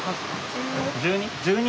１２。